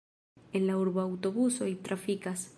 En la urbo aŭtobusoj trafikas.